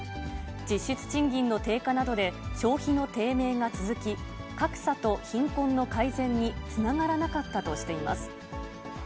実質賃金の低下などで、消費の低迷が続き、格差と貧困の改善につながらなかったとしています。